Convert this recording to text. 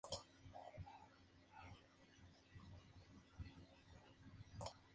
Su director era Enrique Parellada Pallás.